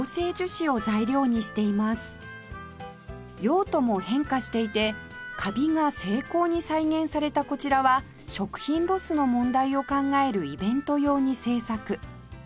用途も変化していてカビが精巧に再現されたこちらは食品ロスの問題を考えるイベント用に製作